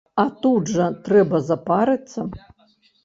А тут жа трэба запарыцца!